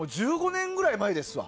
１５年くらい前ですわ。